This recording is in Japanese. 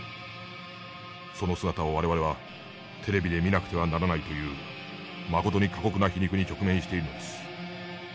その姿を我々はテレビで見なくてはならないというまことに過酷な皮肉に直面しているのです。